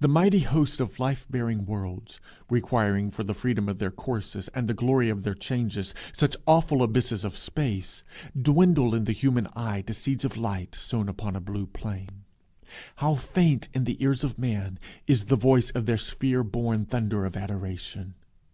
The mighty hosts of life bearing worlds, requiring for the freedom of their courses, and the glory of their changes, such awful abysses of space, dwindle in the human eye to seeds of light sown upon a blue plain. How faint in the ears of man is the voice of their sphere born thunder of adoration!